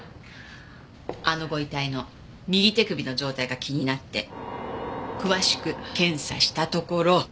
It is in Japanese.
あのご遺体の右手首の状態が気になって詳しく検査したところ。